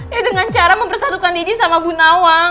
ya dengan cara mempersatukan diri sama bu nawang